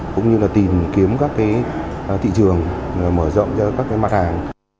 cũng như là tìm kiếm các cái thị trường mở rộng cho các cái mặt hàng